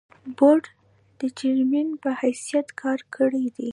بورډ د چېرمين پۀ حېثيت کار کړے دے ۔